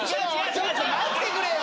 ちょっと待ってくれよ！